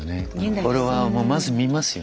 フォロワーもまず見ますよね。